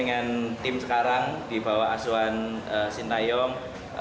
dengan tim sekarang dibawah asuhan sintayong